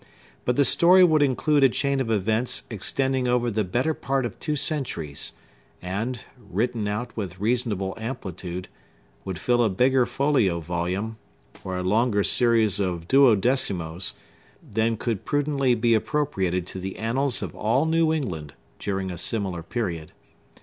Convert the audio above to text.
But the story would include a chain of events extending over the better part of two centuries, and, written out with reasonable amplitude, would fill a bigger folio volume, or a longer series of duodecimos, than could prudently be appropriated to the annals of all New England during a similar period.